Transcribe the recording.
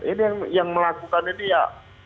ini yang melakukan ini ya